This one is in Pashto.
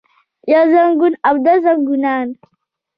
يو زنګون او دوه زنګونان